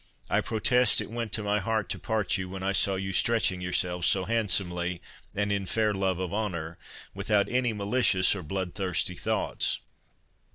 I protest it went to my heart to part you, when I saw you stretching yourselves so handsomely, and in fair love of honour, without any malicious or blood thirsty thoughts.